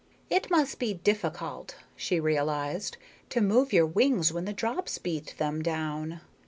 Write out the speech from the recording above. It must be difficult, she realized, to move your wings when the drops beat them down.